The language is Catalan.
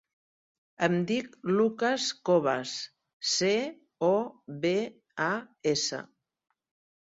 Em dic Lucas Cobas: ce, o, be, a, essa.